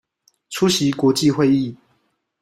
出席國際會議